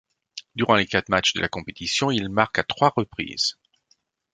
Durant les quatre matchs de la compétition, il marque à trois reprises.